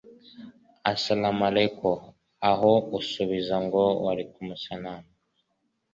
Asaramareko” aho usubiza ngo “Warikumusarama.”